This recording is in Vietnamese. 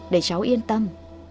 để cháu yên tâm